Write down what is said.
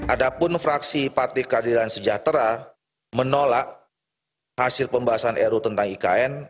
adapun fraksi parti keadilan sejahtera menolak hasil pembahasan ruu tentang ikn